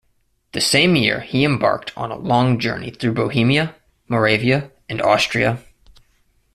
The same year he embarked on a long journey through Bohemia, Moravia and Austria.